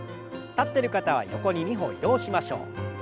立ってる方は横に２歩移動しましょう。